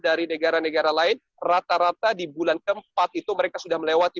dari negara negara lain rata rata di bulan keempat itu mereka sudah melewati